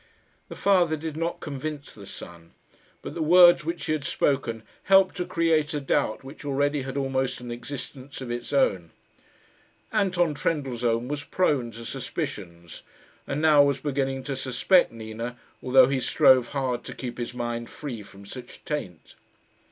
The father did not convince the son, but the words which he had spoken helped to create a doubt which already had almost an existence of its own. Anton Trendellsohn was prone to suspicions, and now was beginning to suspect Nina, although he strove hard to keep his mind free from such taint.